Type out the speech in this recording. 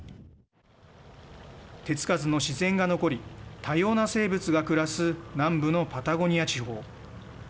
手付かずの自然が残り多様な生物が暮らす南部のパタゴニア地方。